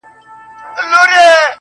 شاعره خداى دي زما ملگرى كه,